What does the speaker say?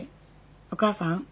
お母さん？